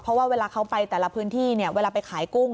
เพราะว่าเวลาเขาไปแต่ละพื้นที่เนี่ยเวลาไปขายกุ้ง